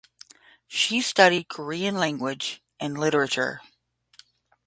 She studied Korean Language and Literature.